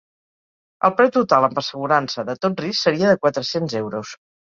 El preu total amb assegurança de tot risc seria de quatre-cents euros.